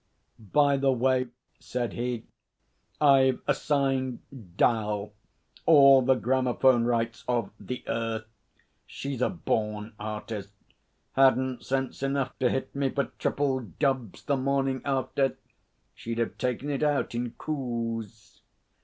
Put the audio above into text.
'By the way,' said he, 'I've assigned 'Dal all the gramophone rights of "The Earth." She's a born artist. 'Hadn't sense enough to hit me for triple dubs the morning after. She'd have taken it out in coos.'